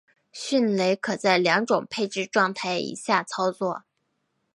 迅雷可在两种配置状态以下操作。